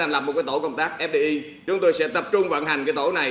như những năm trước đây